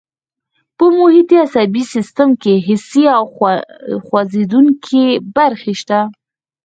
په محیطي عصبي سیستم کې حسي او خوځېدونکي برخې شته.